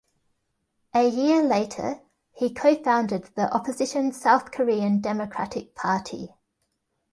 A year later, he co-founded the opposition South Korean Democratic Party.